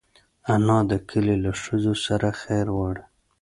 انا د کلي له ښځو سره خیر غواړي